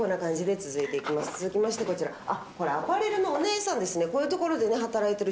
続いてこちら、アパレルのお姉さんですね。